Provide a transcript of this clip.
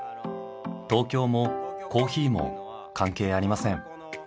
「東京」も「コーヒー」も関係ありません。